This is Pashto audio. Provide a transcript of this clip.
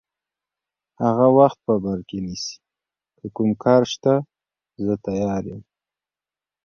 هغه وخت په بر کې نیسي، که کوم کار شته زه تیار یم.